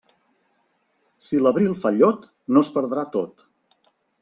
Si l'abril fa llot, no es perdrà tot.